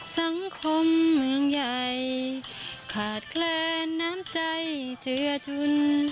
สังคมเมืองใหญ่ขาดแคลนน้ำใจเจือชุน